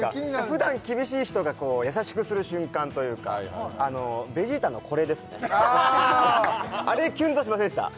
ふだん厳しい人が優しくする瞬間というかあのベジータのこれですねあれキュンとしませんでした？